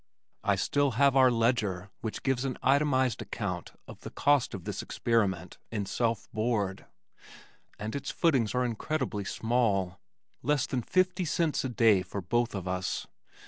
I still have our ledger which gives an itemized account of the cost of this experiment in self board, and its footings are incredibly small. Less than fifty cents a day for both of us!